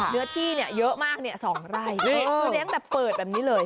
เนื้อที่เยอะมาก๒ไร่เลี้ยงแบบเปิดแบบนี้เลย